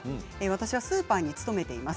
私はスーパーに勤めています。